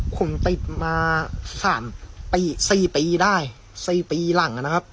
ผมติดมาสามปีสี่ปีได้สี่ปีหลังนะครับ